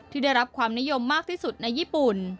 ได้รับความนิยมมากที่สุดในญี่ปุ่น